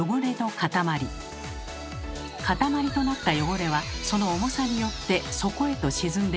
塊となった汚れはその重さによって底へと沈んでいきます。